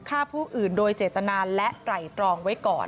ฆ่าผู้อื่นโดยเจตนาและไตรตรองไว้ก่อน